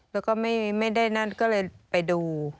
แล้วก็ไม่ได้นั่นก็เลยไปดู